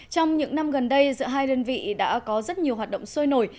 trong những năm gần đây giữa hai đơn vị đã có rất nhiều hoạt động sôi nổi